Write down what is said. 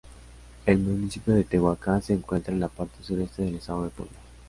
El municipio de Tehuacán se encuentra en la parte sureste del Estado de Puebla.